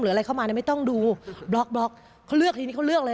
หรืออะไรเข้ามาไม่ต้องดูบล็อกเขาเลือกทีนี้เขาเลือกเลย